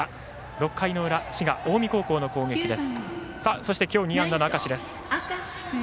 ６回の裏滋賀・近江高校の攻撃です。